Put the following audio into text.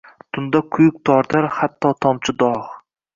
Tunda quyuq tortar hatto tomchi dog’.